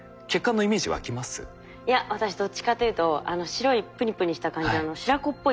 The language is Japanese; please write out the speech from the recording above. いや私どっちかというとあの白いプニプニした感じ白子っぽい感じの。